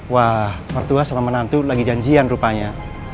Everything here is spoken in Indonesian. wah mertua sama menantu lagi janjian rupanya